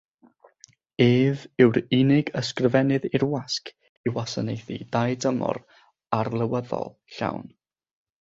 Ef yw'r unig ysgrifennydd i'r wasg i wasanaethu dau dymor arlywyddol llawn.